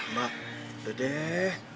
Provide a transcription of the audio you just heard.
mbak udah deh